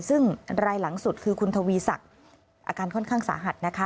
ซึ่งรายหลังสุดคือคุณทวีศักดิ์อาการค่อนข้างสาหัสนะคะ